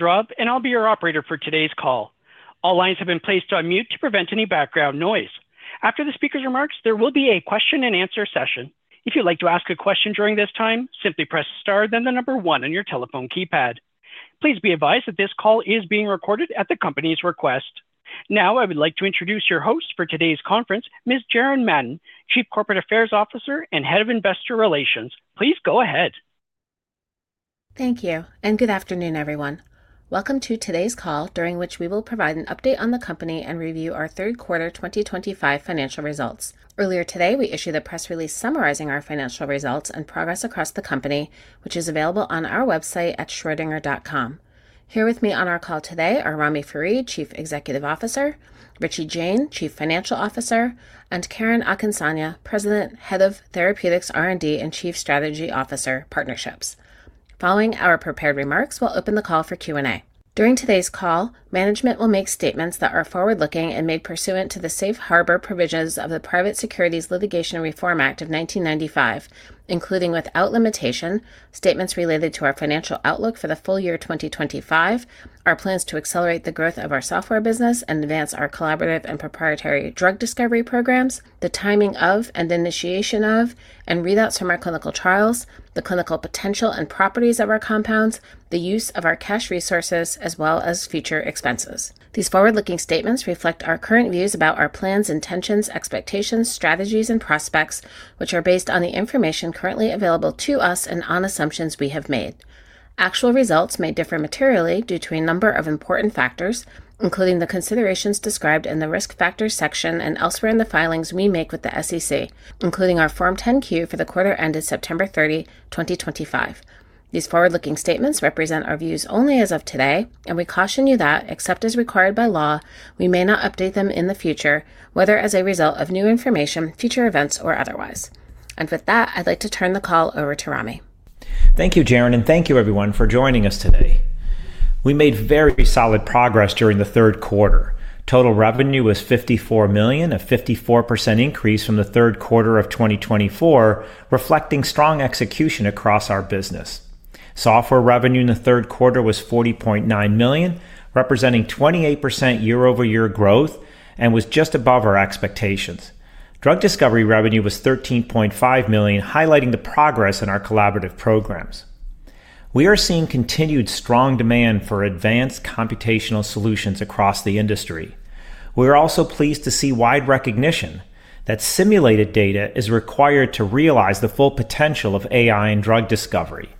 Drop, and I'll be your operator for today's call. All lines have been placed on mute to prevent any background noise. After the speaker's remarks, there will be a question-and-answer session. If you'd like to ask a question during this time, simply press star, then the number one on your telephone keypad. Please be advised that this call is being recorded at the company's request. Now, I would like to introduce your host for today's conference, Ms. Jaren Madden, Chief Corporate Affairs Officer and Head of Investor Relations. Please go ahead. Thank you, and good afternoon, everyone. Welcome to today's call, during which we will provide an update on the company and review our third quarter 2025 financial results. Earlier today, we issued a press release summarizing our financial results and progress across the company, which is available on our website at schrodinger.com. Here with me on our call today are Ramy Farid, Chief Executive Officer, Richie Jain, Chief Financial Officer, and Karen Akinsanya, President, Head of Therapeutics R&D and Chief Strategy Officer Partnerships. Following our prepared remarks, we'll open the call for Q&A. During today's call, management will make statements that are forward-looking and made pursuant to the safe harbor provisions of the Private Securities Litigation Reform Act of 1995, including without limitation, statements related to our financial outlook for the full year 2025, our plans to accelerate the growth of our software business and advance our collaborative and proprietary drug discovery programs, the timing of and initiation of, and readouts from our clinical trials, the clinical potential and properties of our compounds, the use of our cash resources, as well as future expenses. These forward-looking statements reflect our current views about our plans, intentions, expectations, strategies, and prospects, which are based on the information currently available to us and on assumptions we have made. Actual results may differ materially due to a number of important factors, including the considerations described in the risk factors section and elsewhere in the filings we make with the SEC, including our Form 10-Q for the quarter ended September 30, 2025. These forward-looking statements represent our views only as of today, and we caution you that, except as required by law, we may not update them in the future, whether as a result of new information, future events, or otherwise. With that, I'd like to turn the call over to Ramy. Thank you, Jaren, and thank you, everyone, for joining us today. We made very solid progress during the third quarter. Total revenue was $54 million, a 54% increase from the third quarter of 2024, reflecting strong execution across our business. Software revenue in the third quarter was $40.9 million, representing 28% year-over-year growth, and was just above our expectations. Drug discovery revenue was $13.5 million, highlighting the progress in our collaborative programs. We are seeing continued strong demand for advanced computational solutions across the industry. We are also pleased to see wide recognition that simulated data is required to realize the full potential of AI in drug discovery.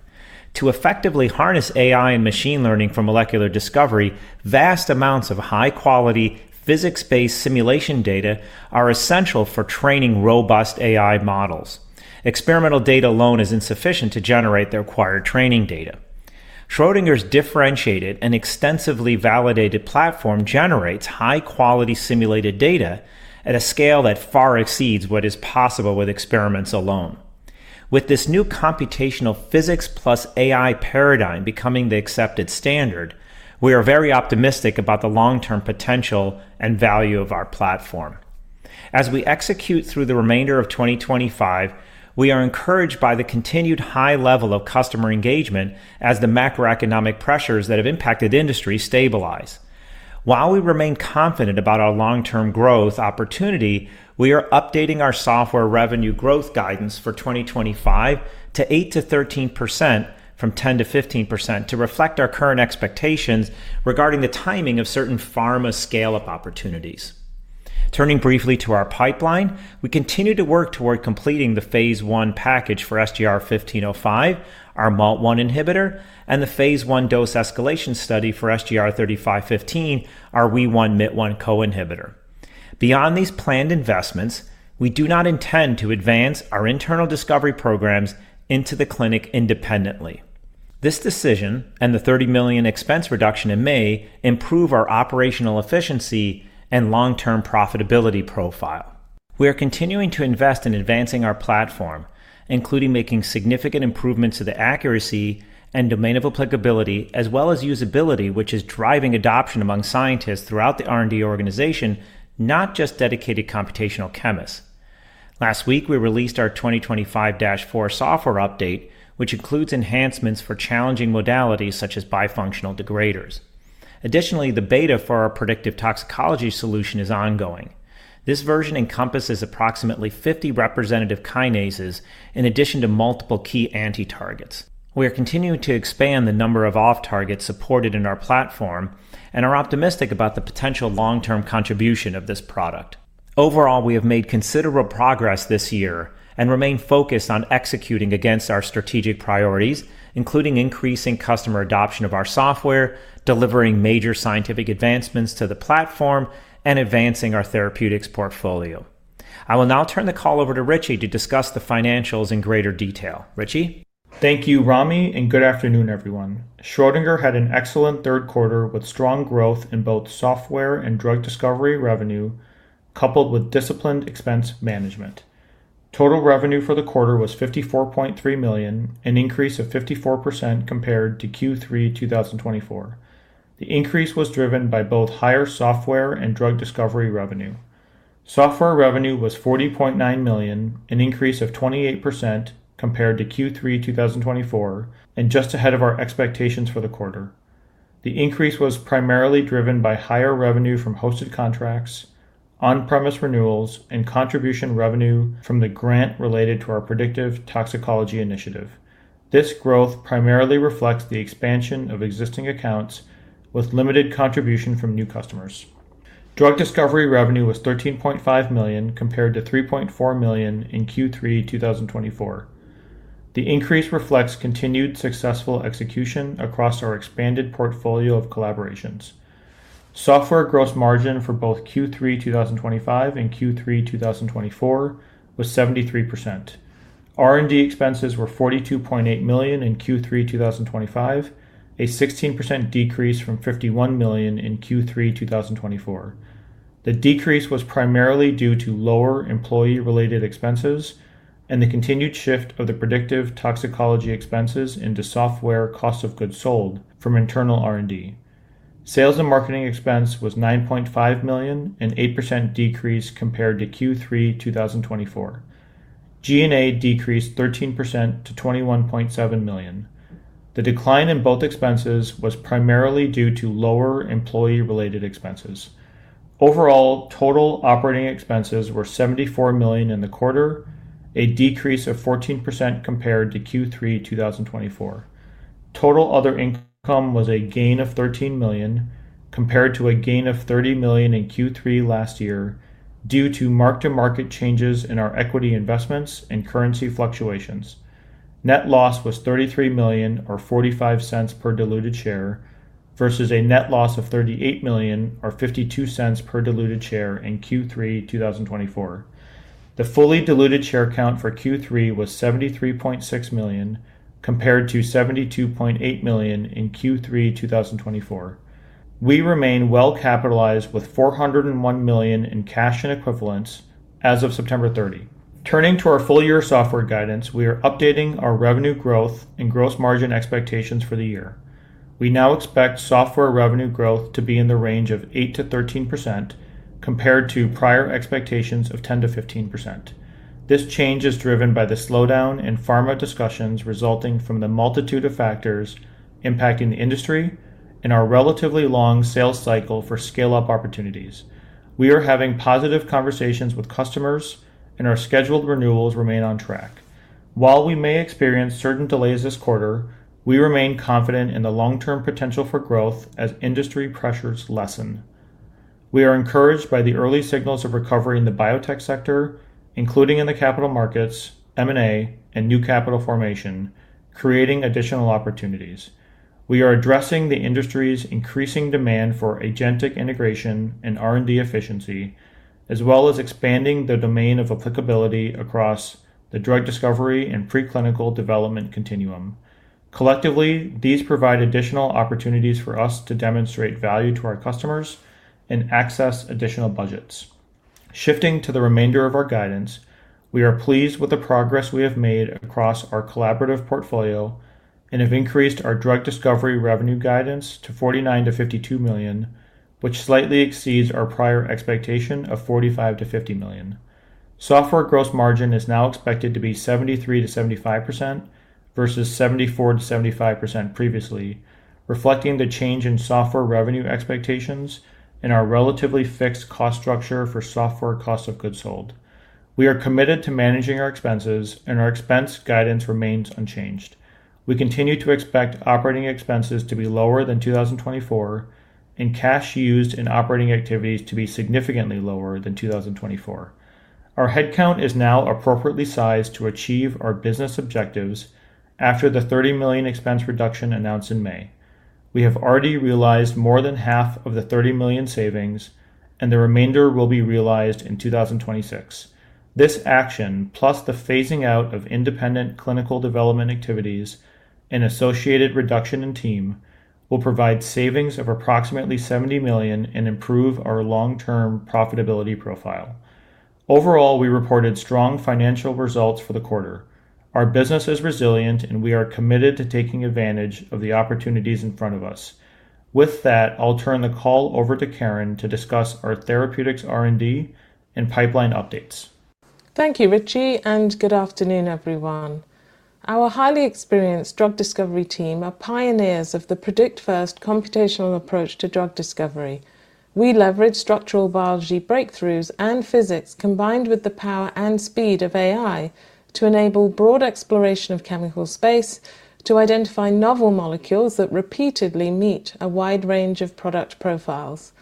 To effectively harness AI and machine learning for molecular discovery, vast amounts of high-quality, physics-based simulation data are essential for training robust AI models. Experimental data alone is insufficient to generate the required training data. Schrödinger's differentiated and extensively validated platform generates high-quality simulated data at a scale that far exceeds what is possible with experiments alone. With this new computational physics plus AI paradigm becoming the accepted standard, we are very optimistic about the long-term potential and value of our platform. As we execute through the remainder of 2025, we are encouraged by the continued high level of customer engagement as the macroeconomic pressures that have impacted industry stabilize. While we remain confident about our long-term growth opportunity, we are updating our software revenue growth guidance for 2025 to 8%-13% from 10%-15% to reflect our current expectations regarding the timing of certain pharma scale-up opportunities. Turning briefly to our pipeline, we continue to work toward completing the phase I package for SGR-1505, our MALT1 inhibitor, and the phase I dose escalation study for SGR-3515, our Wee1/Myt1 co-inhibitor. Beyond these planned investments, we do not intend to advance our internal discovery programs into the clinic independently. This decision and the $30 million expense reduction in May improve our operational efficiency and long-term profitability profile. We are continuing to invest in advancing our platform, including making significant improvements to the accuracy and domain of applicability, as well as usability, which is driving adoption among scientists throughout the R&D organization, not just dedicated computational chemists. Last week, we released our 2025-4 software update, which includes enhancements for challenging modalities such as bifunctional degraders. Additionally, the beta for our predictive toxicology solution is ongoing. This version encompasses approximately 50 representative kinases in addition to multiple key anti-targets. We are continuing to expand the number of off-targets supported in our platform and are optimistic about the potential long-term contribution of this product. Overall, we have made considerable progress this year and remain focused on executing against our strategic priorities, including increasing customer adoption of our software, delivering major scientific advancements to the platform, and advancing our therapeutics portfolio. I will now turn the call over to Richie to discuss the financials in greater detail. Richie? Thank you, Ramy, and good afternoon, everyone. Schrödinger had an excellent third quarter with strong growth in both software and drug discovery revenue coupled with disciplined expense management. Total revenue for the quarter was $54.3 million, an increase of 54% compared to Q3 2024. The increase was driven by both higher software and drug discovery revenue. Software revenue was $40.9 million, an increase of 28% compared to Q3 2024, and just ahead of our expectations for the quarter. The increase was primarily driven by higher revenue from hosted contracts, on-premise renewals, and contribution revenue from the grant related to our predictive toxicology initiative. This growth primarily reflects the expansion of existing accounts with limited contribution from new customers. Drug discovery revenue was $13.5 million compared to $3.4 million in Q3 2024. The increase reflects continued successful execution across our expanded portfolio of collaborations. Software gross margin for both Q3 2025 and Q3 2024 was 73%. R&D expenses were $42.8 million in Q3 2025, a 16% decrease from $51 million in Q3 2024. The decrease was primarily due to lower employee-related expenses and the continued shift of the predictive toxicology expenses into software cost of goods sold from internal R&D. Sales and marketing expense was $9.5 million, an 8% decrease compared to Q3 2024. G&A decreased 13% to $21.7 million. The decline in both expenses was primarily due to lower employee-related expenses. Overall, total operating expenses were $74 million in the quarter, a decrease of 14% compared to Q3 2024. Total other income was a gain of $13 million compared to a gain of $30 million in Q3 last year due to mark-to-market changes in our equity investments and currency fluctuations. Net loss was $33 million, or $0.45 per diluted share, versus a net loss of $38 million, or $0.52 per diluted share in Q3 2024. The fully diluted share count for Q3 was 73.6 million compared to 72.8 million in Q3 2024. We remain well-capitalized with $401 million in cash and equivalents as of September 30. Turning to our full-year software guidance, we are updating our revenue growth and gross margin expectations for the year. We now expect software revenue growth to be in the range of 8%-13% compared to prior expectations of 10%-15%. This change is driven by the slowdown in pharma discussions resulting from the multitude of factors impacting the industry and our relatively long sales cycle for scale-up opportunities. We are having positive conversations with customers, and our scheduled renewals remain on track. While we may experience certain delays this quarter, we remain confident in the long-term potential for growth as industry pressures lessen. We are encouraged by the early signals of recovery in the biotech sector, including in the capital markets, M&A, and new capital formation, creating additional opportunities. We are addressing the industry's increasing demand for agentic integration and R&D efficiency, as well as expanding the domain of applicability across the drug discovery and preclinical development continuum. Collectively, these provide additional opportunities for us to demonstrate value to our customers and access additional budgets. Shifting to the remainder of our guidance, we are pleased with the progress we have made across our collaborative portfolio and have increased our drug discovery revenue guidance to $49 million-$52 million, which slightly exceeds our prior expectation of $45 million-$50 million. Software gross margin is now expected to be 73%-75% versus 74%-75% previously, reflecting the change in software revenue expectations and our relatively fixed cost structure for software cost of goods sold. We are committed to managing our expenses, and our expense guidance remains unchanged. We continue to expect operating expenses to be lower than 2024. Cash used in operating activities is expected to be significantly lower than 2024. Our headcount is now appropriately sized to achieve our business objectives after the $30 million expense reduction announced in May. We have already realized more than half of the $30 million savings, and the remainder will be realized in 2026. This action, plus the phasing out of independent clinical development activities and associated reduction in team, will provide savings of approximately $70 million and improve our long-term profitability profile. Overall, we reported strong financial results for the quarter. Our business is resilient, and we are committed to taking advantage of the opportunities in front of us. With that, I'll turn the call over to Karen to discuss our therapeutics R&D and pipeline updates. Thank you, Richie, and good afternoon, everyone. Our highly experienced drug discovery team are pioneers of the predict-first computational approach to drug discovery. We leverage structural biology breakthroughs and physics combined with the power and speed of AI to enable broad exploration of chemical space to identify novel molecules that repeatedly meet a wide range of product profiles.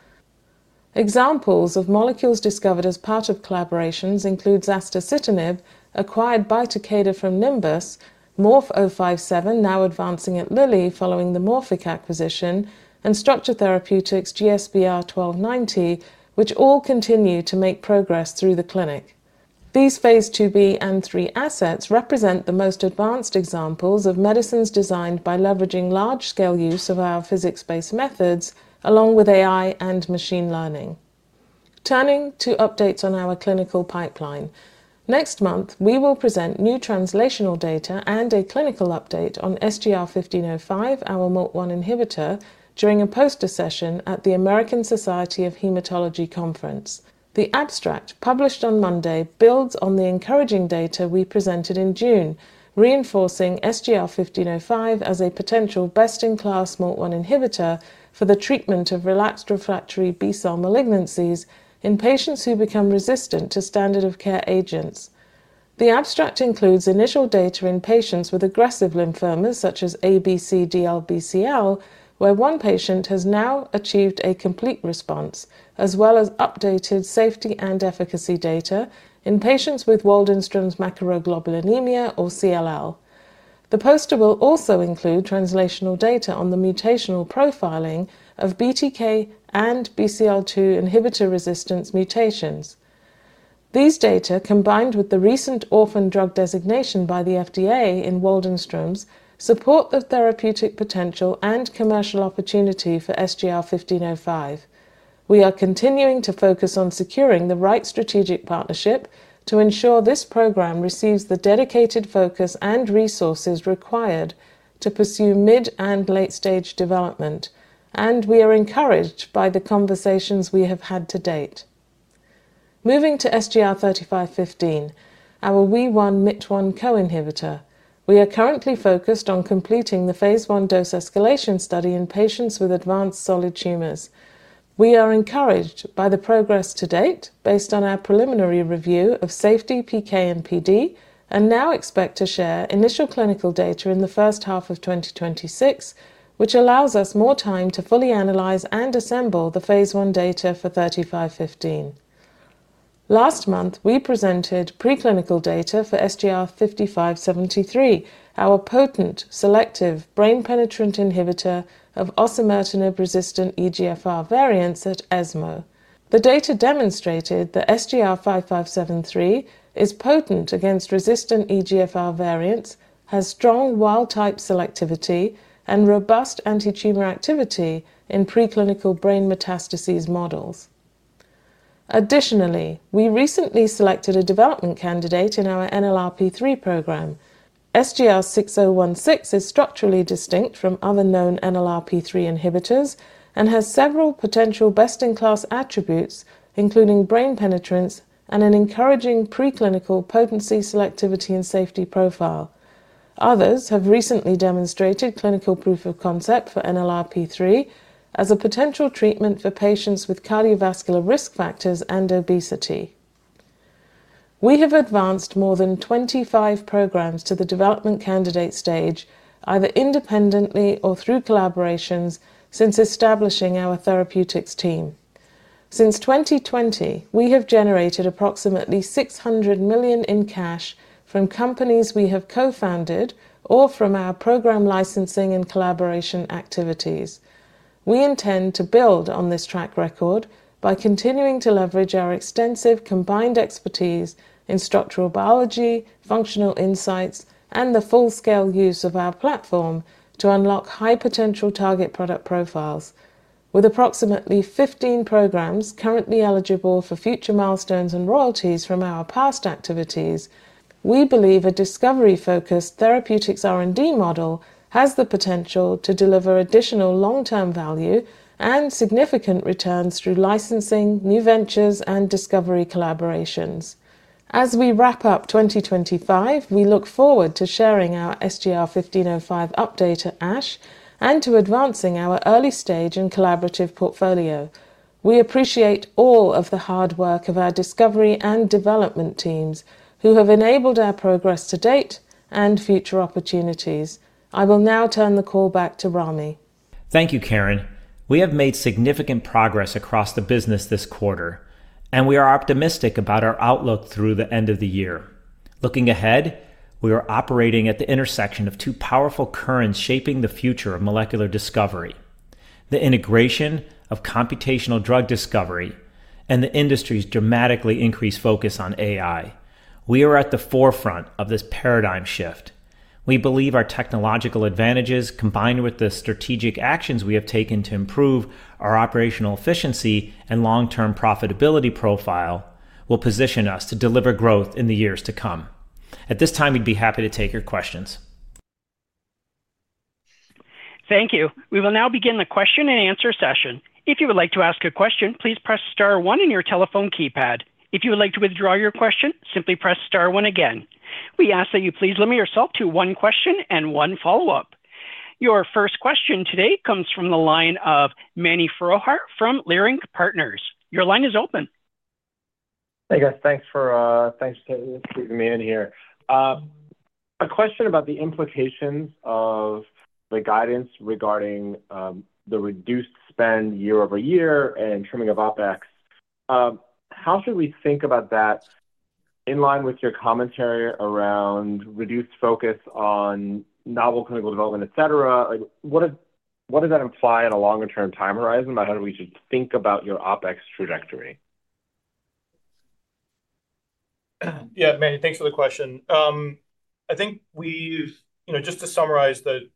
Examples of molecules discovered as part of collaborations include Zasocitinib, acquired by Takeda from Nimbus, MORF-057, now advancing at Lilly following the Morphic acquisition, and Structure Therapeutics GSBR-1290, which all continue to make progress through the clinic. These phase II-B and III assets represent the most advanced examples of medicines designed by leveraging large-scale use of our physics-based methods, along with AI and machine learning. Turning to updates on our clinical pipeline. Next month, we will present new translational data and a clinical update on SGR-1505, our MALT1 inhibitor, during a poster session at the American Society of Hematology Conference. The abstract published on Monday builds on the encouraging data we presented in June, reinforcing SGR-1505 as a potential best-in-class MALT1 inhibitor for the treatment of relapsed refractory B-cell malignancies in patients who become resistant to standard-of-care agents. The abstract includes initial data in patients with aggressive lymphomas such as ABC DLBCL, where one patient has now achieved a complete response, as well as updated safety and efficacy data in patients with Waldenström's macroglobulinemia, or CLL. The poster will also include translational data on the mutational profiling of BTK and BCL2 inhibitor-resistance mutations. These data, combined with the recent orphan drug designation by the FDA in Waldenström's, support the therapeutic potential and commercial opportunity for SGR-1505. We are continuing to focus on securing the right strategic partnership to ensure this program receives the dedicated focus and resources required to pursue mid and late-stage development, and we are encouraged by the conversations we have had to date. Moving to SGR-3515, our Wee1/Myt1 co-inhibitor, we are currently focused on completing the phase I dose escalation study in patients with advanced solid tumors. We are encouraged by the progress to date, based on our preliminary review of safety, PK, and PD, and now expect to share initial clinical data in the first half of 2026, which allows us more time to fully analyze and assemble the phase I data for 3515. Last month, we presented preclinical data for SGR-5573, our potent selective brain-penetrant inhibitor of osimertinib-resistant EGFR variants at ESMO. The data demonstrated that SGR-5573 is potent against resistant EGFR variants, has strong wild-type selectivity, and robust anti-tumor activity in preclinical brain metastases models. Additionally, we recently selected a development candidate in our NLRP3 program. SGR-6016 is structurally distinct from other known NLRP3 inhibitors and has several potential best-in-class attributes, including brain penetrance and an encouraging preclinical potency, selectivity, and safety profile. Others have recently demonstrated clinical proof of concept for NLRP3 as a potential treatment for patients with cardiovascular risk factors and obesity. We have advanced more than 25 programs to the development candidate stage, either independently or through collaborations, since establishing our therapeutics team. Since 2020, we have generated approximately $600 million in cash from companies we have co-founded or from our program licensing and collaboration activities. We intend to build on this track record by continuing to leverage our extensive combined expertise in structural biology, functional insights, and the full-scale use of our platform to unlock high-potential target product profiles. With approximately 15 programs currently eligible for future milestones and royalties from our past activities, we believe a discovery-focused therapeutics R&D model has the potential to deliver additional long-term value and significant returns through licensing, new ventures, and discovery collaborations. As we wrap up 2025, we look forward to sharing our SGR-1505 update at ASH and to advancing our early-stage and collaborative portfolio. We appreciate all of the hard work of our discovery and development teams who have enabled our progress to date and future opportunities. I will now turn the call back to Ramy. Thank you, Karen. We have made significant progress across the business this quarter, and we are optimistic about our outlook through the end of the year. Looking ahead, we are operating at the intersection of two powerful currents shaping the future of molecular discovery: the integration of computational drug discovery and the industry's dramatically increased focus on AI. We are at the forefront of this paradigm shift. We believe our technological advantages, combined with the strategic actions we have taken to improve our operational efficiency and long-term profitability profile, will position us to deliver growth in the years to come. At this time, we'd be happy to take your questions. Thank you. We will now begin the question-and-answer session. If you would like to ask a question, please press star one on your telephone keypad. If you would like to withdraw your question, simply press star one again. We ask that you please limit yourself to one question and one follow-up. Your first question today comes from the line of Mani Foroohar from Leerink Partners. Your line is open. Hey, guys. Thanks for excusing me in here. A question about the implications of the guidance regarding the reduced spend year over year and trimming of OpEx. How should we think about that? In line with your commentary around reduced focus on novel clinical development, et cetera? What does that imply in a longer-term time horizon about how we should think about your OpEx trajectory? Yeah, Mani, thanks for the question. I think we've, just to summarize the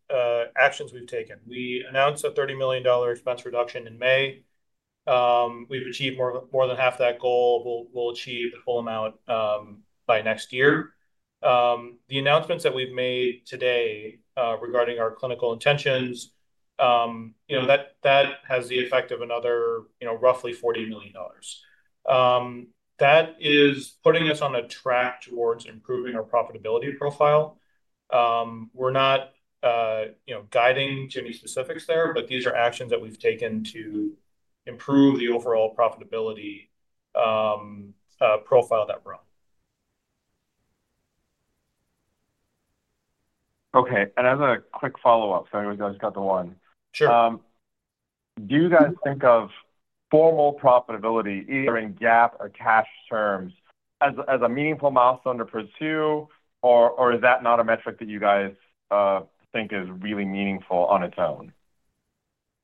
actions we've taken, we announced a $30 million expense reduction in May. We've achieved more than half that goal. We'll achieve the full amount by next year. The announcements that we've made today regarding our clinical intentions, that has the effect of another roughly $40 million. That is putting us on a track towards improving our profitability profile. We're not guiding to any specifics there, but these are actions that we've taken to improve the overall profitability profile that we're on. Okay. As a quick follow-up, anyways, I just got the one. Sure. Do you guys think of formal profitability, either in GAAP or cash terms, as a meaningful milestone to pursue, or is that not a metric that you guys think is really meaningful on its own?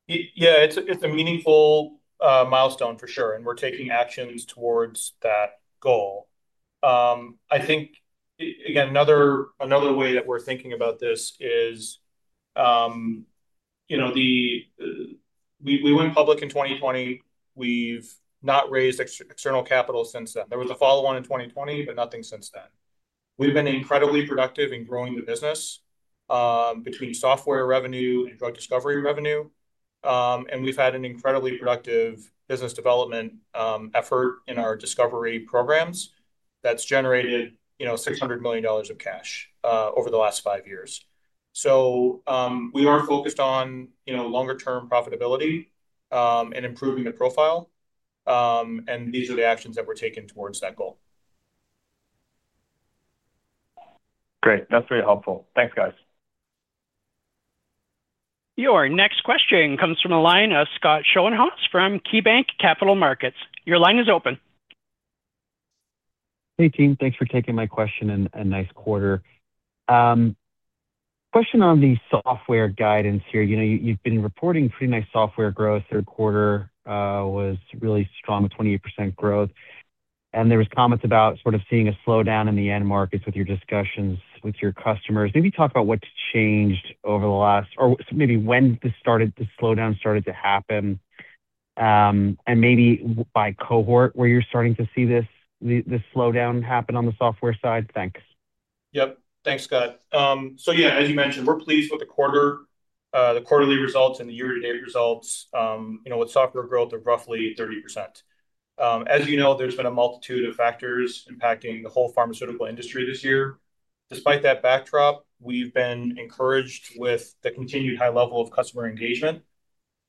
Yeah, it's a meaningful milestone for sure, and we're taking actions towards that goal. I think, again, another way that we're thinking about this is we went public in 2020. We've not raised external capital since then. There was a follow-on in 2020, but nothing since then. We've been incredibly productive in growing the business between software revenue and drug discovery revenue. And we've had an incredibly productive business development effort in our discovery programs that's generated $600 million of cash over the last five years. We are focused on longer-term profitability and improving the profile. These are the actions that we're taking towards that goal. Great. That's very helpful. Thanks, guys. Your next question comes from the line of Scott Schoenhaus from KeyBanc Capital Markets. Your line is open. Hey, team. Thanks for taking my question and a nice quarter. Question on the software guidance here. You've been reporting pretty nice software growth. Third quarter was really strong with 28% growth. There were comments about sort of seeing a slowdown in the end markets with your discussions with your customers. Maybe talk about what's changed over the last, or maybe when this slowdown started to happen. Maybe by cohort, where you're starting to see this slowdown happen on the software side. Thanks. Yep. Thanks, Scott. So yeah, as you mentioned, we're pleased with the quarter, the quarterly results, and the year-to-date results. With software growth of roughly 30%. As you know, there's been a multitude of factors impacting the whole pharmaceutical industry this year. Despite that backdrop, we've been encouraged with the continued high level of customer engagement.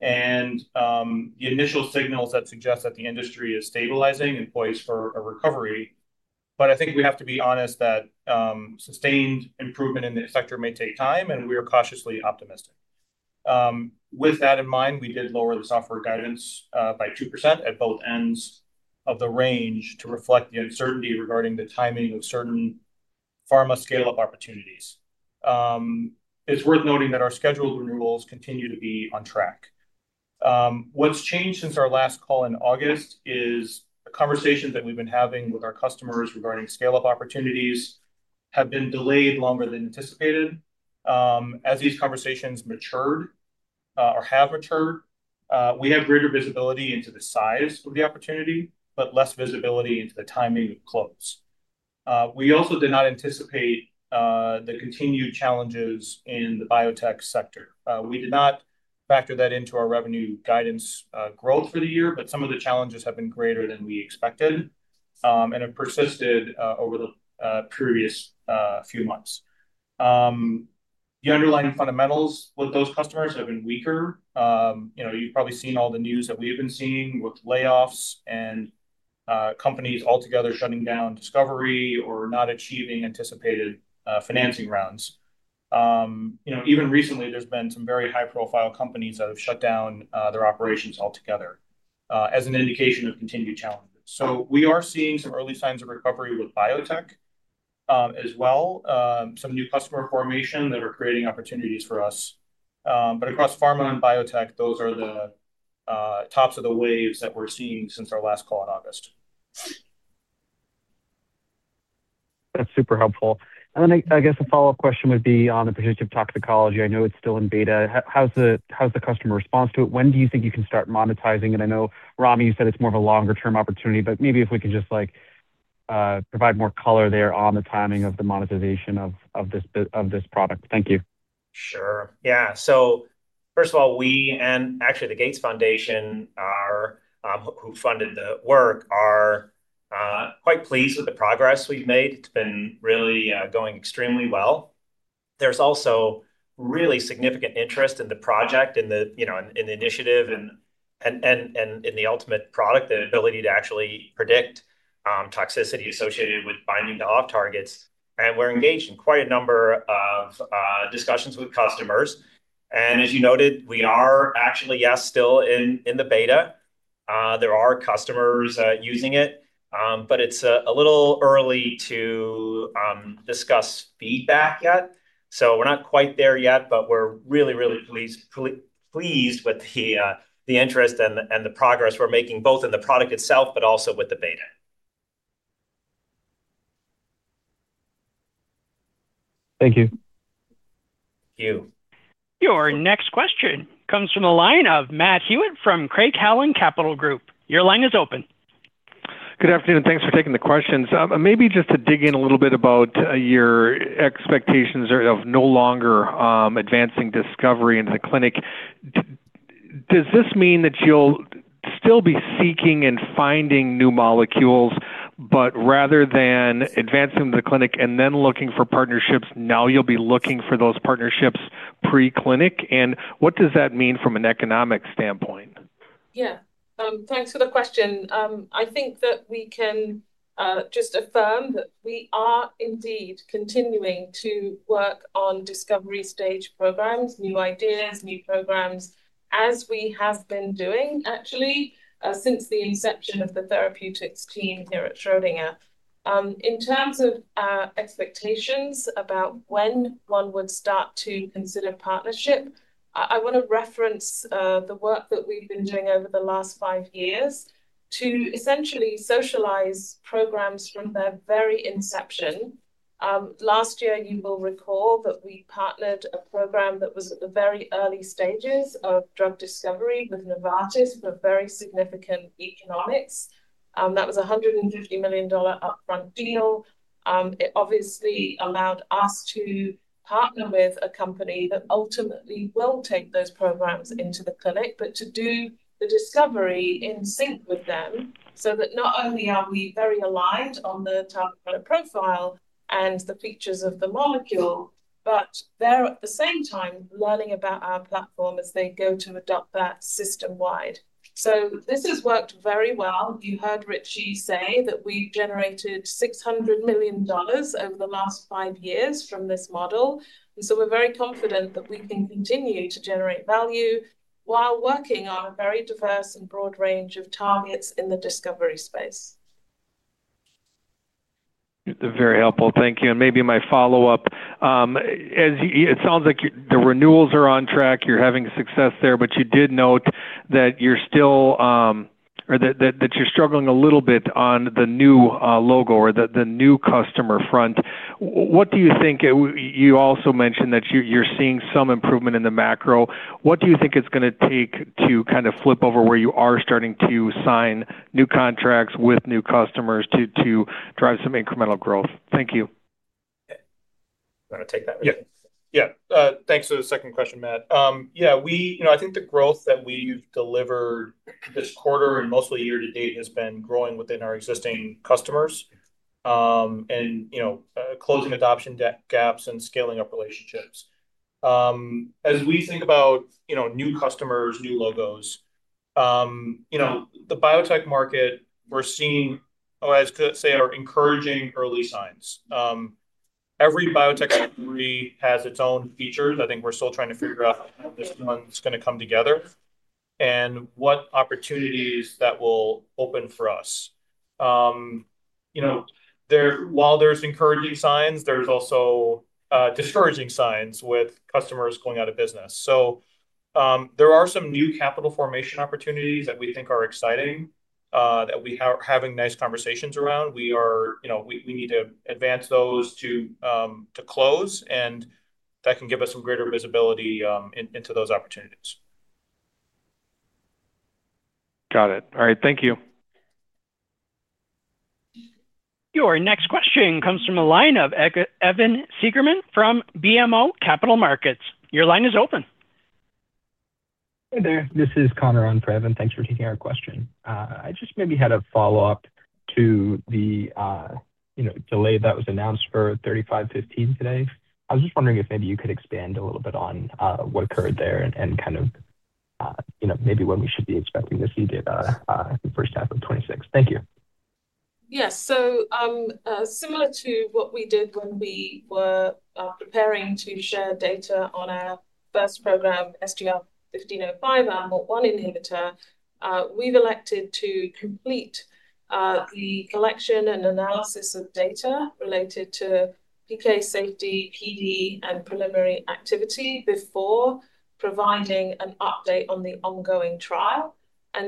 The initial signals that suggest that the industry is stabilizing and poised for a recovery. I think we have to be honest that sustained improvement in the sector may take time, and we are cautiously optimistic. With that in mind, we did lower the software guidance by 2% at both ends of the range to reflect the uncertainty regarding the timing of certain pharma scale-up opportunities. It's worth noting that our scheduled renewals continue to be on track. What's changed since our last call in August is the conversations that we've been having with our customers regarding scale-up opportunities have been delayed longer than anticipated. As these conversations matured or have matured, we have greater visibility into the size of the opportunity, but less visibility into the timing of close. We also did not anticipate the continued challenges in the biotech sector. We did not factor that into our revenue guidance growth for the year, but some of the challenges have been greater than we expected and have persisted over the previous few months. The underlying fundamentals with those customers have been weaker. You've probably seen all the news that we have been seeing with layoffs and companies altogether shutting down discovery or not achieving anticipated financing rounds. Even recently, there's been some very high-profile companies that have shut down their operations altogether as an indication of continued challenges. We are seeing some early signs of recovery with biotech as well, some new customer formation that are creating opportunities for us. Across pharma and biotech, those are the tops of the waves that we're seeing since our last call in August. That's super helpful. I guess a follow-up question would be on the predictive toxicology. I know it's still in beta. How's the customer response to it? When do you think you can start monetizing? I know, Ramy, you said it's more of a longer-term opportunity, but maybe if we can just provide more color there on the timing of the monetization of this product. Thank you. Sure. Yeah. First of all, we and actually the Gates Foundation, who funded the work, are quite pleased with the progress we've made. It's been really going extremely well. There's also really significant interest in the project and the initiative and in the ultimate product, the ability to actually predict toxicity associated with binding to off-targets. We're engaged in quite a number of discussions with customers. As you noted, we are actually, yes, still in the beta. There are customers using it, but it's a little early to discuss feedback yet. We're not quite there yet, but we're really, really pleased with the interest and the progress we're making, both in the product itself, but also with the beta. Thank you. Thank you. Your next question comes from the line of Matt Hewitt from Craig-Hallum Capital Group. Your line is open. Good afternoon. Thanks for taking the questions. Maybe just to dig in a little bit about your expectations of no longer advancing discovery into the clinic. Does this mean that you'll still be seeking and finding new molecules, but rather than advancing to the clinic and then looking for partnerships, now you'll be looking for those partnerships pre-clinic? What does that mean from an economic standpoint? Yeah. Thanks for the question. I think that we can just affirm that we are indeed continuing to work on discovery stage programs, new ideas, new programs, as we have been doing, actually, since the inception of the therapeutics team here at Schrödinger. In terms of expectations about when one would start to consider partnership, I want to reference the work that we've been doing over the last five years to essentially socialize programs from their very inception. Last year, you will recall that we partnered a program that was at the very early stages of drug discovery with Novartis for very significant economics. That was a $150 million upfront deal. It obviously allowed us to partner with a company that ultimately will take those programs into the clinic, but to do the discovery in sync with them so that not only are we very aligned on the target profile and the features of the molecule, but they're at the same time learning about our platform as they go to adopt that system-wide. This has worked very well. You heard Richie say that we generated $600 million over the last five years from this model. We are very confident that we can continue to generate value while working on a very diverse and broad range of targets in the discovery space. Very helpful. Thank you. Maybe my follow-up. It sounds like the renewals are on track. You're having success there, but you did note that you're still, or that you're struggling a little bit on the new logo or the new customer front. What do you think? You also mentioned that you're seeing some improvement in the macro. What do you think it's going to take to kind of flip over where you are starting to sign new contracts with new customers to drive some incremental growth? Thank you. Okay. I'm going to take that one. Yeah. Thanks for the second question, Matt. Yeah, I think the growth that we've delivered this quarter and mostly year to date has been growing within our existing customers. Closing adoption gaps and scaling up relationships. As we think about new customers, new logos. The biotech market, we're seeing, I was going to say, are encouraging early signs. Every biotech company has its own features. I think we're still trying to figure out how this one's going to come together. What opportunities that will open for us. While there's encouraging signs, there's also discouraging signs with customers going out of business. There are some new capital formation opportunities that we think are exciting that we are having nice conversations around. We need to advance those to close, and that can give us some greater visibility into those opportunities. Got it. All right. Thank you. Your next question comes from the line of Evan Seigerman from BMO Capital Markets. Your line is open. Hey there. This is Connor on for Evan. Thanks for taking our question. I just maybe had a follow-up to the delay that was announced for 3515 today. I was just wondering if maybe you could expand a little bit on what occurred there and kind of maybe when we should be expecting to see data in the first half of 2026. Thank you. Yes. Similar to what we did when we were preparing to share data on our first program, SGR-1505, our MALT1 inhibitor, we've elected to complete the collection and analysis of data related to PK, safety, PD, and preliminary activity before providing an update on the ongoing trial.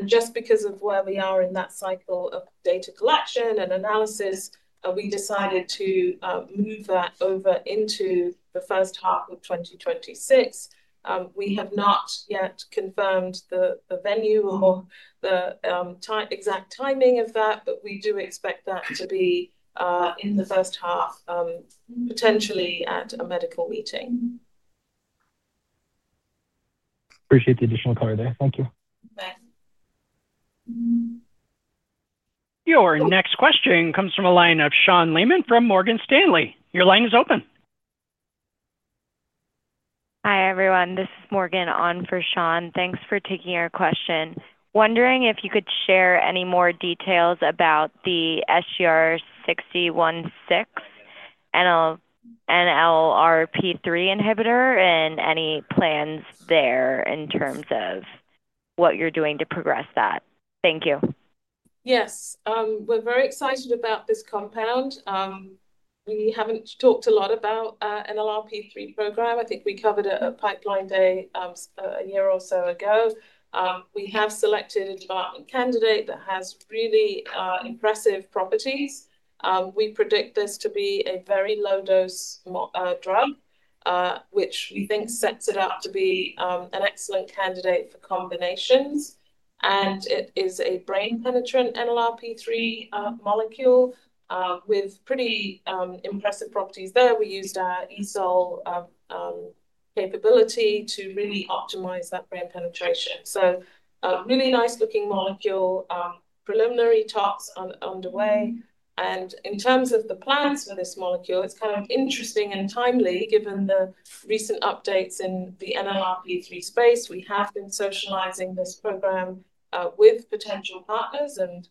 Just because of where we are in that cycle of data collection and analysis, we decided to move that over into the first half of 2026. We have not yet confirmed the venue or the exact timing of that, but we do expect that to be in the first half, potentially at a medical meeting. Appreciate the additional color there. Thank you. Bye. Your next question comes from a line of Sean Lehmann from Morgan Stanley. Your line is open. Hi, everyone. This is Morgan on for Sean. Thanks for taking our question. Wondering if you could share any more details about the SGR-6016 NLRP3 inhibitor and any plans there in terms of what you're doing to progress that. Thank you. Yes. We're very excited about this compound. We haven't talked a lot about the NLRP3 program. I think we covered it at Pipeline Day a year or so ago. We have selected a development candidate that has really impressive properties. We predict this to be a very low-dose drug, which we think sets it up to be an excellent candidate for combinations. It is a brain-penetrant NLRP3 molecule with pretty impressive properties there. We used our ESOL capability to really optimize that brain penetration. A really nice-looking molecule, preliminary talks underway. In terms of the plans for this molecule, it's kind of interesting and timely given the recent updates in the NLRP3 space. We have been socializing this program with potential partners, and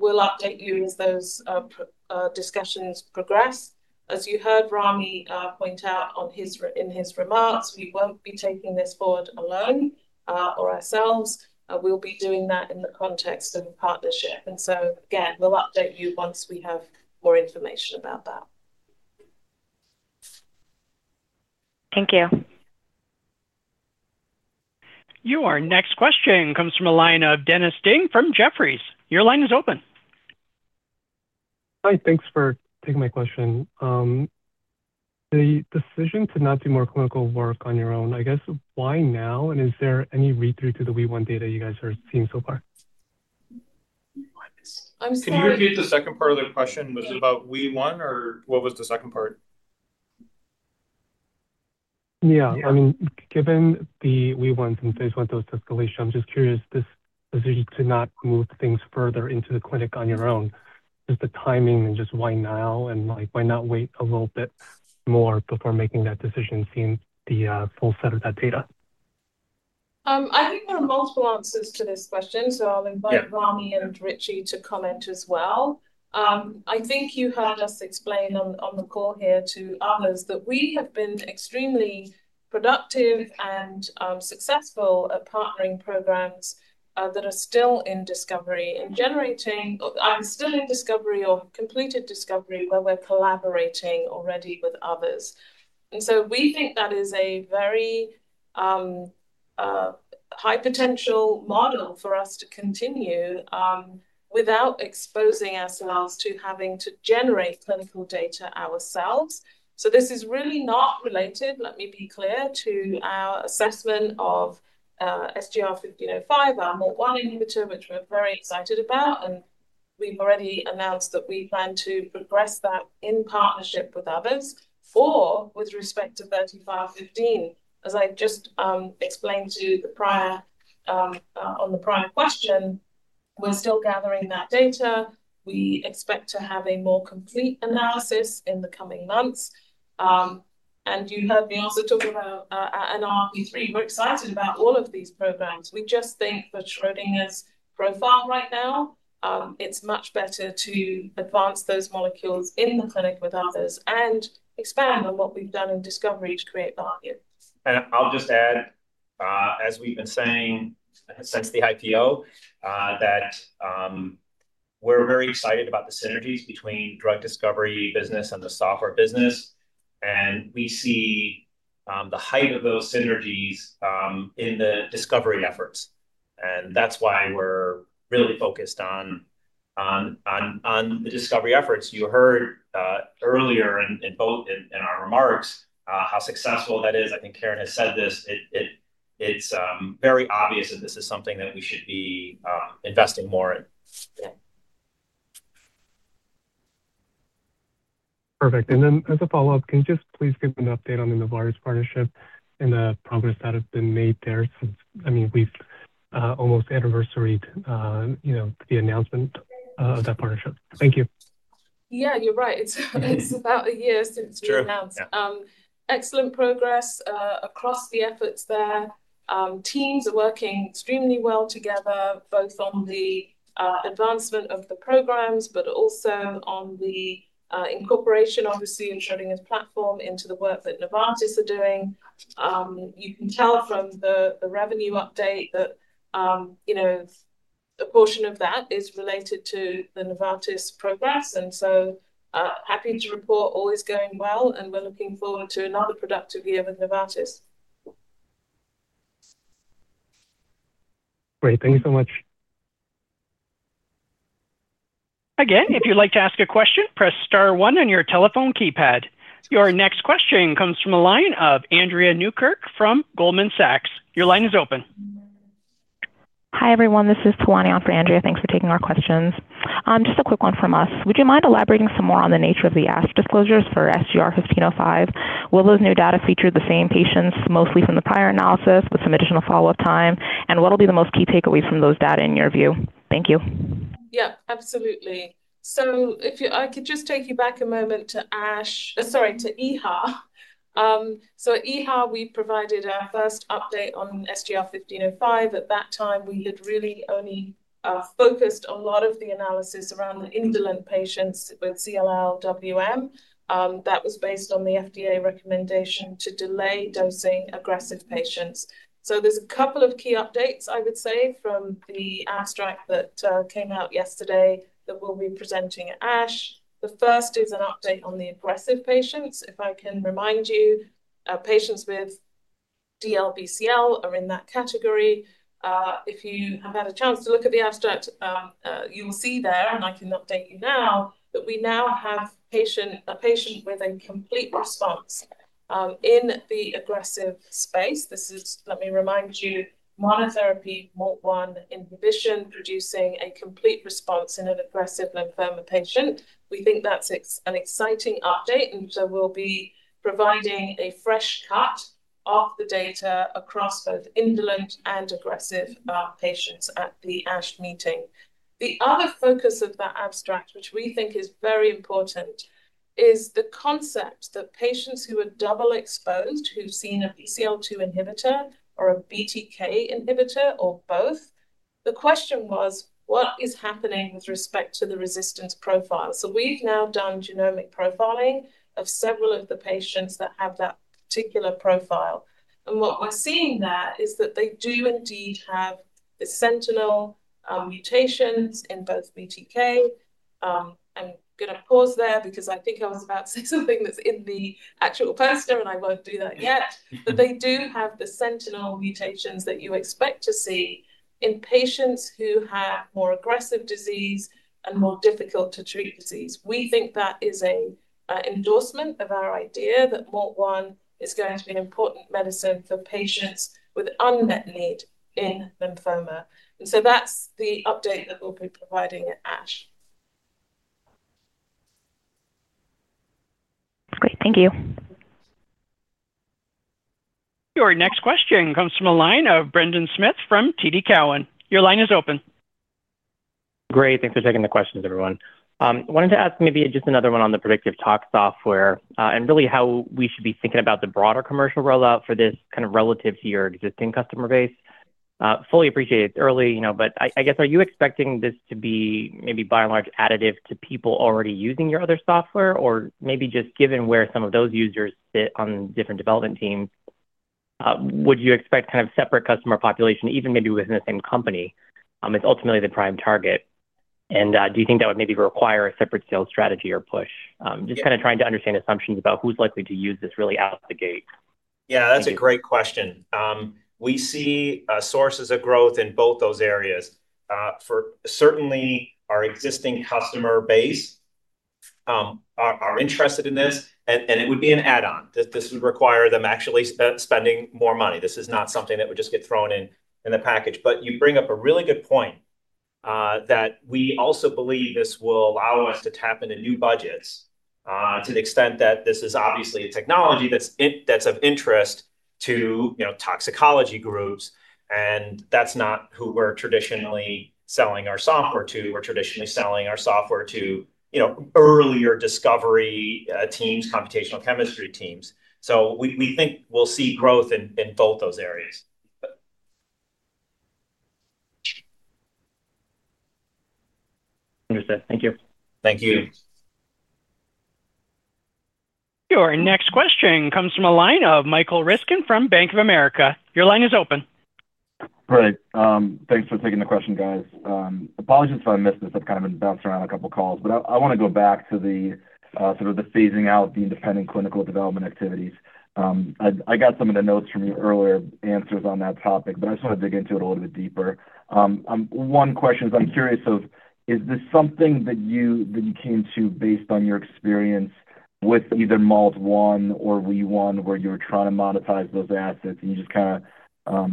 we'll update you as those discussions progress. As you heard Ramy point out in his remarks, we won't be taking this forward alone or ourselves. We'll be doing that in the context of a partnership. Again, we'll update you once we have more information about that. Thank you. Your next question comes from a line of Dennis Ding from Jefferies. Your line is open. Hi. Thanks for taking my question. The decision to not do more clinical work on your own, I guess, why now? Is there any read-through to the Wee1 data you guys are seeing so far? I'm sorry. Can you repeat the second part of the question? Was it about Wee1, or what was the second part? Yeah. I mean, given the Wee1 and phase I dose escalation, I'm just curious, this decision to not move things further into the clinic on your own, just the timing and just why now and why not wait a little bit more before making that decision, seeing the full set of that data? I think there are multiple answers to this question, so I'll invite Ramy and Richie to comment as well. I think you heard us explain on the call here to others that we have been extremely productive and successful at partnering programs that are still in discovery and generating or are still in discovery or completed discovery where we're collaborating already with others. We think that is a very high-potential model for us to continue without exposing ourselves to having to generate clinical data ourselves. This is really not related, let me be clear, to our assessment of SGR-1505, our MALT1 inhibitor, which we're very excited about. We've already announced that we plan to progress that in partnership with others or with respect to SGR-3515. As I just explained to the prior, on the prior question, we're still gathering that data. We expect to have a more complete analysis in the coming months. You heard me also talk about NLRP3. We're excited about all of these programs. We just think for Schrödinger's profile right now, it's much better to advance those molecules in the clinic with others and expand on what we've done in discovery to create value. I'll just add. As we've been saying since the IPO, we're very excited about the synergies between the drug discovery business and the software business. We see the height of those synergies in the discovery efforts. That's why we're really focused on the discovery efforts. You heard earlier in our remarks how successful that is. I think Karen has said this. It's very obvious that this is something that we should be investing more in. Yeah. Perfect. As a follow-up, can you just please give an update on the Novartis partnership and the progress that has been made there since, I mean, we've almost anniversaried the announcement of that partnership? Thank you. Yeah, you're right. It's about a year since we announced. Excellent progress across the efforts there. Teams are working extremely well together, both on the advancement of the programs, but also on the incorporation, obviously, of Schrödinger's platform into the work that Novartis are doing. You can tell from the revenue update that a portion of that is related to the Novartis progress. Happy to report always going well, and we're looking forward to another productive year with Novartis. Great. Thank you so much. Again, if you'd like to ask a question, press star one on your telephone keypad. Your next question comes from a line of Andrea Newkirk from Goldman Sachs. Your line is open. Hi everyone. This is Tawana for Andrea. Thanks for taking our questions. Just a quick one from us. Would you mind elaborating some more on the nature of the asset disclosures for SGR-1505? Will those new data feature the same patients, mostly from the prior analysis, with some additional follow-up time? What will be the most key takeaways from those data in your view? Thank you. Yeah, absolutely. I could just take you back a moment to ASH, sorry, to EHA. At EHA, we provided our first update on SGR-1505. At that time, we had really only focused a lot of the analysis around the indolent patients with CLL WM. That was based on the FDA recommendation to delay dosing aggressive patients. There are a couple of key updates, I would say, from the abstract that came out yesterday that we'll be presenting at ASH. The first is an update on the aggressive patients. If I can remind you, patients with DLBCL are in that category. If you have had a chance to look at the abstract, you'll see there, and I can update you now, that we now have a patient with a complete response in the aggressive space. This is, let me remind you, monotherapy MALT1 inhibition producing a complete response in an aggressive lymphoma patient. We think that's an exciting update, and we will be providing a fresh cut of the data across both indolent and aggressive patients at the ASH meeting. The other focus of that abstract, which we think is very important, is the concept that patients who are double exposed, who've seen a BCL2 inhibitor or a BTK inhibitor or both, the question was, what is happening with respect to the resistance profile? We have now done genomic profiling of several of the patients that have that particular profile. What we are seeing there is that they do indeed have the sentinel mutations in both BTK. I'm going to pause there because I think I was about to say something that's in the actual poster, and I won't do that yet. They do have the sentinel mutations that you expect to see in patients who have more aggressive disease and more difficult-to-treat disease. We think that is an endorsement of our idea that MALT1 is going to be an important medicine for patients with unmet need in lymphoma. That is the update that we'll be providing at ASH. Great. Thank you. Your next question comes from a line of Brendan Smith from TD Cowen. Your line is open. Great. Thanks for taking the questions, everyone. I wanted to ask maybe just another one on the predictive tox software and really how we should be thinking about the broader commercial rollout for this kind of relative to your existing customer base. Fully appreciate it's early, but I guess, are you expecting this to be maybe by and large additive to people already using your other software? Or maybe just given where some of those users sit on different development teams. Would you expect kind of separate customer population, even maybe within the same company, is ultimately the prime target? And do you think that would maybe require a separate sales strategy or push? Just kind of trying to understand assumptions about who's likely to use this really out of the gate. Yeah, that's a great question. We see sources of growth in both those areas. Certainly, our existing customer base are interested in this, and it would be an add-on. This would require them actually spending more money. This is not something that would just get thrown in the package. You bring up a really good point. We also believe this will allow us to tap into new budgets to the extent that this is obviously a technology that's of interest to toxicology groups. That's not who we're traditionally selling our software to. We're traditionally selling our software to earlier discovery teams, computational chemistry teams. We think we'll see growth in both those areas. Understood. Thank you. Thank you. Your next question comes from a line of Michael Riskin from Bank of America. Your line is open. Great. Thanks for taking the question, guys. Apologies if I missed this. I've kind of been bouncing around a couple of calls. I want to go back to the sort of the phasing out of the independent clinical development activities. I got some of the notes from your earlier answers on that topic, but I just want to dig into it a little bit deeper. One question is I'm curious, is this something that you came to based on your experience with either MALT1 or Wee1, where you were trying to monetize those assets and you just kind of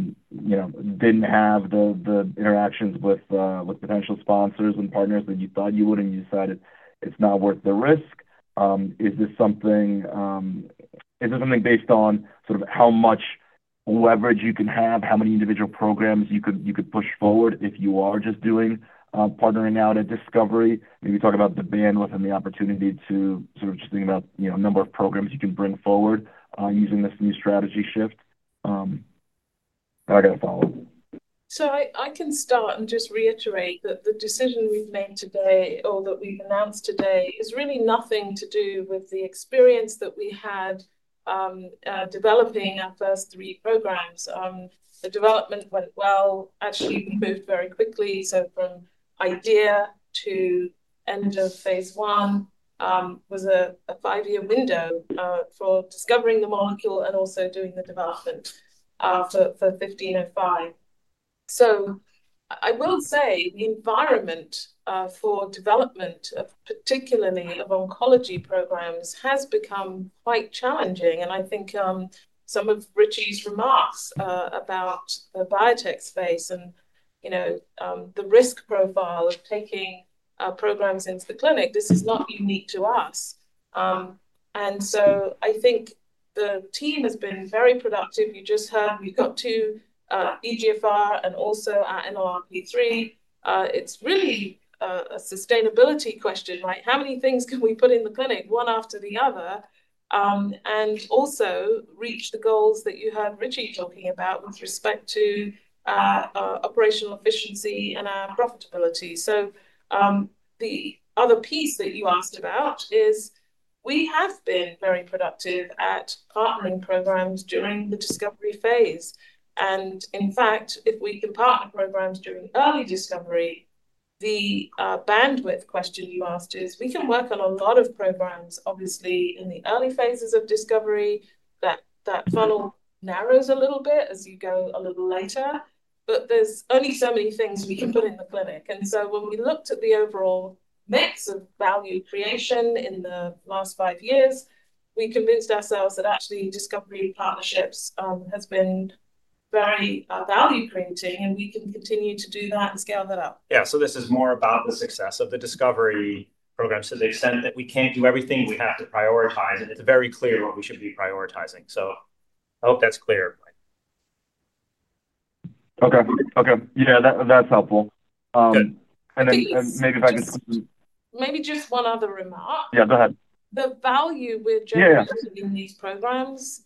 didn't have the interactions with potential sponsors and partners that you thought you would, and you decided it's not worth the risk? Is this something based on sort of how much. Leverage you can have, how many individual programs you could push forward if you are just doing partnering out at discovery? Maybe talk about the bandwidth and the opportunity to sort of just think about the number of programs you can bring forward using this new strategy shift. I got a follow-up. I can start and just reiterate that the decision we've made today or that we've announced today is really nothing to do with the experience that we had. Developing our first three programs. The development went well. Actually, we moved very quickly. From idea to end of phase I was a five-year window for discovering the molecule and also doing the development for 1505. I will say the environment for development, particularly of oncology programs, has become quite challenging. I think some of Richie's remarks about the biotech space and the risk profile of taking programs into the clinic, this is not unique to us. I think the team has been very productive. You just heard we've got two EGFR and also NLRP3. It's really a sustainability question, right? How many things can we put in the clinic one after the other? Also reach the goals that you heard Richie talking about with respect to operational efficiency and our profitability. The other piece that you asked about is we have been very productive at partnering programs during the discovery phase. In fact, if we can partner programs during early discovery, the bandwidth question you asked is we can work on a lot of programs, obviously, in the early phases of discovery. That funnel narrows a little bit as you go a little later. There are only so many things we can put in the clinic. When we looked at the overall mix of value creation in the last five years, we convinced ourselves that actually discovery partnerships have been very value-creating, and we can continue to do that and scale that up. Yeah. This is more about the success of the discovery programs to the extent that we can't do everything. We have to prioritize. It's very clear what we should be prioritizing. I hope that's clear. Okay. Okay. Yeah, that's helpful. Maybe if I could. Maybe just one other remark. Yeah, go ahead. The value we're generating in these programs.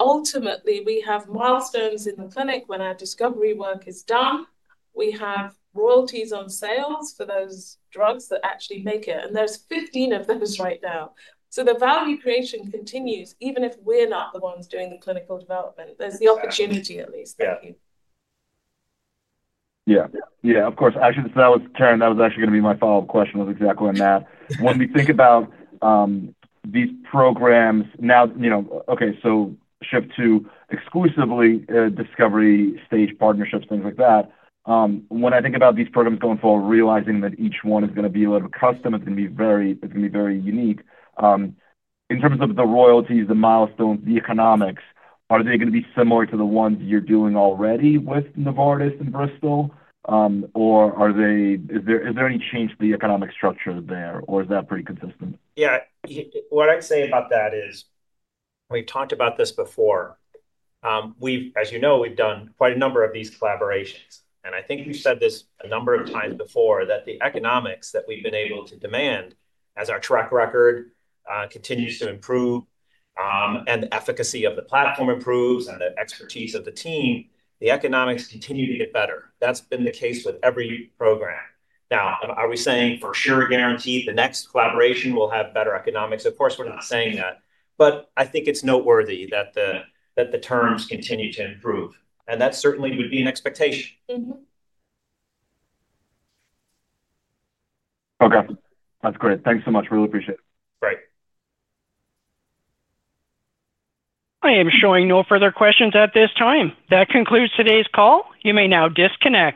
Ultimately, we have milestones in the clinic when our discovery work is done. We have royalties on sales for those drugs that actually make it. And there's 15 of those right now. The value creation continues even if we're not the ones doing the clinical development. There's the opportunity at least. Thank you. Yeah. Yeah, of course. Actually, that was Karen. That was actually going to be my follow-up question was exactly on that. When we think about these programs now, okay, so shift to exclusively discovery stage partnerships, things like that. When I think about these programs going forward, realizing that each one is going to be a little bit custom, it's going to be very unique. In terms of the royalties, the milestones, the economics, are they going to be similar to the ones you're doing already with Novartis and Bristol? Or is there any change to the economic structure there, or is that pretty consistent? Yeah. What I'd say about that is, we've talked about this before. As you know, we've done quite a number of these collaborations. I think we've said this a number of times before, that the economics that we've been able to demand as our track record continues to improve, and the efficacy of the platform improves and the expertise of the team, the economics continue to get better. That's been the case with every program. Now, are we saying for sure, guaranteed, the next collaboration will have better economics? Of course, we're not saying that. I think it's noteworthy that the terms continue to improve. That certainly would be an expectation. Okay. That's great. Thanks so much. Really appreciate it. Great. I am showing no further questions at this time. That concludes today's call. You may now disconnect.